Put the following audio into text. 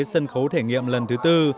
sân khấu thể nghiệm lần thứ tư